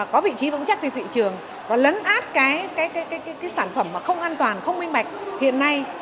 có vị trí vững chắc trên thị trường và lấn át cái sản phẩm mà không an toàn không minh bạch hiện nay